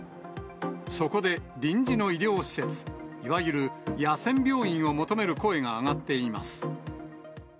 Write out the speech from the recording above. そこで、臨時の医療施設、いわゆる野戦病院を求める声が上がっています。